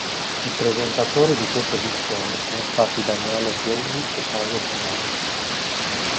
I presentatori di questa edizione sono stati Daniele Piombi e Paolo Bonolis.